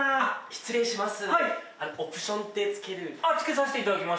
失礼します。